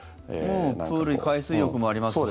プール海水浴もあります。